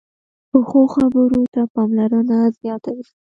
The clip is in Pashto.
پخو خبرو ته پاملرنه زیاته وي